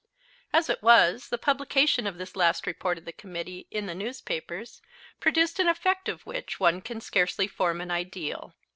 As it was, the publication of this last report of the Committee in the newspapers produced an effect of which one can scarcely form an ideal.